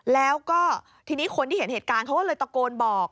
แล้วก็ทีนี้คนที่เห็นเหตุการณ์เขาก็เลยตะโกนบอก